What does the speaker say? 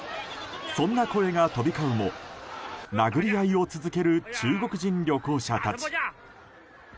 そんな声が飛び交うも殴り合いを続ける中国人旅行者たち。